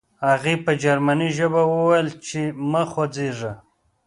هغې په جرمني ژبه وویل چې مه خوځېږه